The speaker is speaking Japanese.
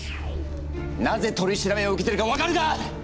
なぜ取り調べを受けているか分かるか？